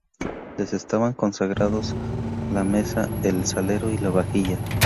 Les estaban consagrados la mesa, el salero y la vajilla.